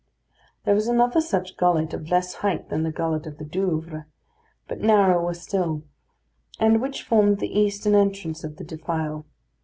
There was another such gullet of less height than the gullet of the Douvres, but narrower still, and which formed the eastern entrance of the defile.